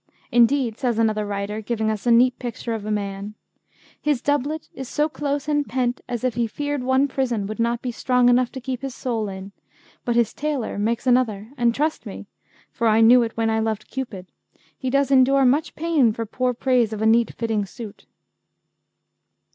Indeed, says another writer, giving us a neat picture of a man: 'His doublet is So close and pent as if he feared one prison Would not be strong enough to keep his soul in, But his taylor makes another; And trust me (for I knew it when I loved Cupid) He does endure much pain for poor praise Of a neat fitting suit.'